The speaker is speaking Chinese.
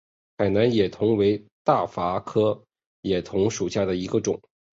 海南野桐为大戟科野桐属下的一个种。